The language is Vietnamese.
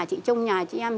chị trông nhà cho em